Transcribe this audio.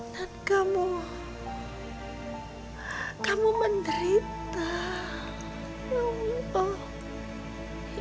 dan kamu kamu menderita ya allah